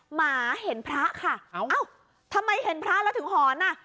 หมาเห็นพระค่ะเอ้าทำไมเห็นพระแล้วถึงหอนอ่ะ